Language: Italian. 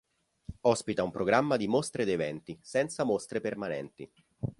Ospita un programma di mostre ed eventi, senza mostre permanenti.